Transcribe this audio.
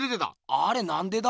あれなんでだ？